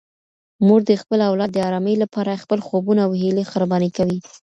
مور د خپل اولاد د ارامۍ لپاره خپل خوبونه او هیلې قرباني کوي.